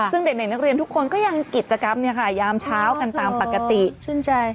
ซึ่งเด็กนักเรียนทุกคนก็ยังกิจกรรมเนี่ยค่ะยามเช้ากันตามปกติชื่นใจ